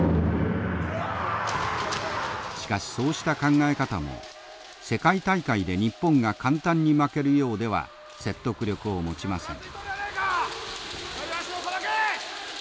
しかしそうした考え方も世界大会で日本が簡単に負けるようでは説得力を持ちません。